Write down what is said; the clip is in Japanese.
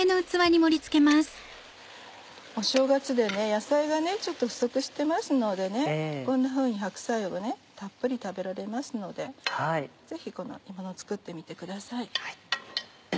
お正月で野菜がちょっと不足してますのでこんなふうに白菜をたっぷり食べられますのでぜひこの煮もの作ってみてください。